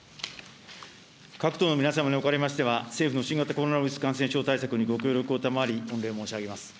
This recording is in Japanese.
各党の皆様におかれましては、政府の新型コロナウイルス感染症対策にご協力を賜り、御礼申し上げます。